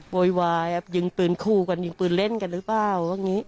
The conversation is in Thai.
โวยวายยิงปืนคู่กันยิงปืนเล่นกันหรือเปล่าว่าอย่างนี้